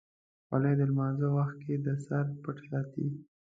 خولۍ د لمانځه وخت کې د سر پټ ساتي.